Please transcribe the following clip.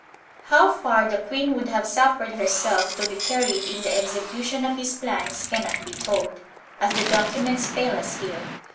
How far the queen would have suffered herself to be carried in the execution of his plans cannot be told, as the documents fail us here.